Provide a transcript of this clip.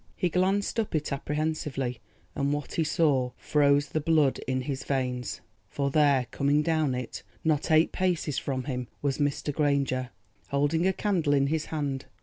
He glanced up it apprehensively, and what he saw froze the blood in his veins, for there coming down it, not eight paces from him, was Mr. Granger, holding a candle in his hand.